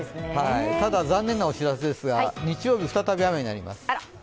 ただ、残念なお知らせですが日曜日再び雨になります。